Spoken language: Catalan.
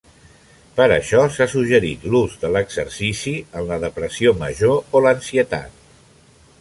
Per això s'ha suggerit l'ús de l'exercici en la depressió major o l'ansietat.